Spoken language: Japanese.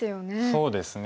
そうですね。